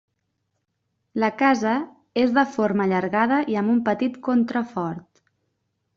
La casa és de forma allargada i amb un petit contrafort.